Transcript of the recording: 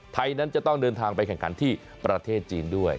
ไทยนั้นจะต้องเดินทางไปแข่งขันที่ประเทศจีนด้วย